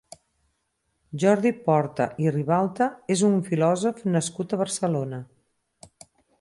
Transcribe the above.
Jordi Porta i Ribalta és un filòsof nascut a Barcelona.